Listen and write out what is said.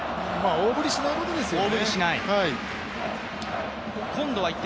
大振りしないことですよね。